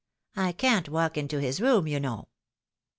I can't walk into his room, you know."